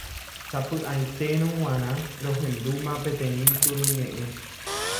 Sapy'aitérõ g̃uarã rohendúma peteĩ turuñe'ẽ.